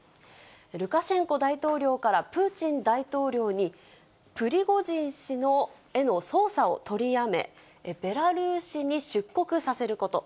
ルカシェンコ大統領からプーチン大統領に、プリゴジン氏への捜査を取りやめ、ベラルーシに出国させること。